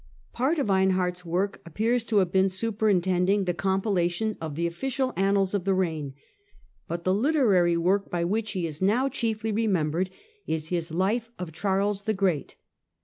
Part of Einhard's work appears to have been superin tending the compilation of the official annals of the reign, but the literary work by which he is now chiefly re membered is his life of Charles the Great.